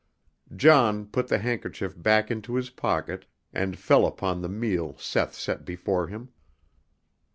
John put the handkerchief back into his pocket and fell upon the meal Seth set before him.